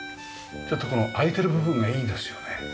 ちょっとこの開いてる部分がいいですよね。